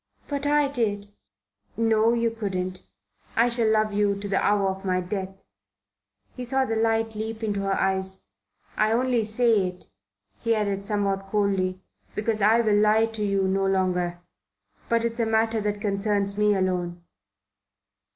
"But I did." "No, you couldn't. I shall love you to the hour of my death." He saw the light leap into her eyes. "I only say it," he added somewhat coldly, "because I will lie to you no longer. But it's a matter that concerns me alone."